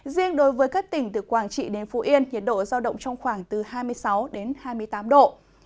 riêng đối với các tỉnh từ quảng trị đến phú yên nhiệt độ giao động trong khoảng từ hai mươi sáu đến hai mươi tám độ